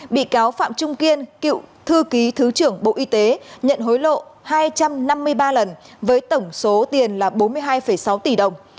bị cáo phạm trung kiên cựu thư ký thứ trưởng bộ y tế nhận hối lộ hai trăm năm mươi ba lần với tổng số tiền là bốn mươi hai sáu tỷ đồng